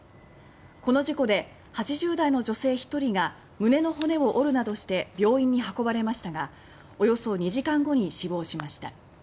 この事故で、８０代の女性１人が胸の骨を折るなどして病院に運ばれましたがおよそ２時間後に死亡しました。